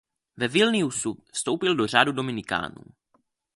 Ve Vilniusu vstoupil do řádu Dominikánů.